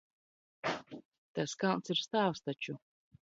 Tas kalns ir stāvs taču.